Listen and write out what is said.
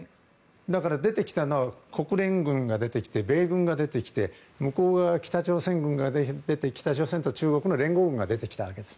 出てきたのは国連軍が出てきて米軍が出てきて北朝鮮軍が出てきて北朝鮮と中国の連合軍が出てきたわけです。